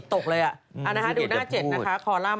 ดูแล้วอารมณ์แบบว่าจิตตกเลย